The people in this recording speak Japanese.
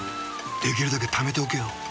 できるだけためておけよ。